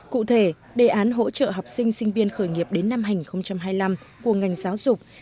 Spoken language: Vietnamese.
cụ thể đề án hỗ trợ học sinh sinh viên khởi nghiệp đến năm hai nghìn hai mươi năm của ngành giáo dục